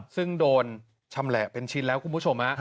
ซึ่งโดนชำแหละเป็นชิ้นแล้วคุณผู้ชม